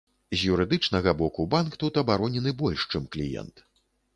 З юрыдычнага боку банк тут абаронены больш, чым кліент.